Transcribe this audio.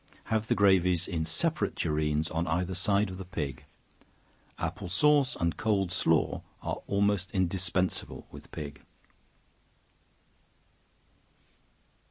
Have the gravies in separate tureens on either side of the pig. Apple sauce and cold slaw are almost indispensable with pig.